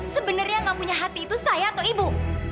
sebenarnya gak punya hati itu saya atau ibu